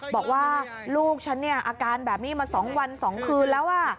บอกว่าลูกฉันเนี่ยอาการแบบนี้มา๒วัน๒คืนแล้ว